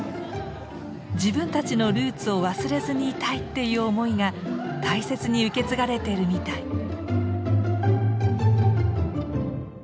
自分たちのルーツを忘れずにいたいっていう思いが大切に受け継がれてるみたい。